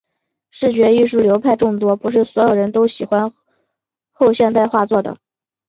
视觉艺术流派众多，不是所有人都喜欢后现代画作的。